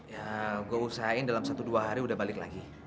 ya gue usahain dalam satu dua hari udah balik lagi